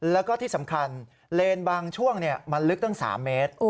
แล้วก็ที่สำคัญเลนบางช่วงมันลึกตั้ง๓เมตร